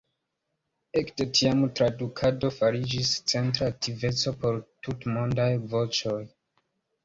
Ekde tiam tradukado fariĝis centra aktiveco por Tutmondaj Voĉoj.